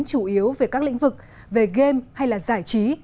chủ yếu về các lĩnh vực về game hay là giải trí